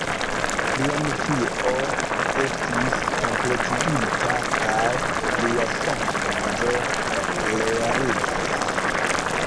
Lia misio estis kompletigita kaj lia sonĝo realiĝis.